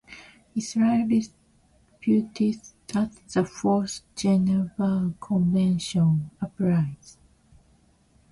Israel disputes that the Fourth Geneva Convention applies.